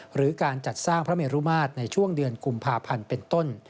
หรือการจัดสร้างพระเมรุมาตรในช่วงเดือนกุมภาพันธ์เป็นต้น